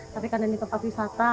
tapi karena ini tempat wisata